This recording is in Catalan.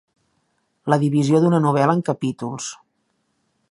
La divisió d'una novel·la en capítols.